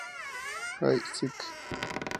I, Secc.